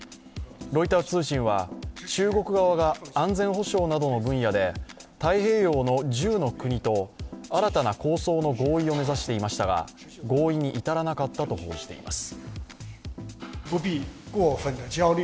ロイター通信は、中国側が安全保障などの分野で太平洋の１０の国と新たな構想の合意を目指していましたが合意に至らなかったと報じています。